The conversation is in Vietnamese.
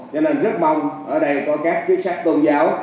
cho nên rất mong ở đây có các chính sách tôn giáo